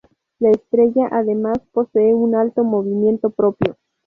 La estrella además posee un alto movimiento propio.